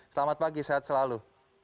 selamat pagi sehat selalu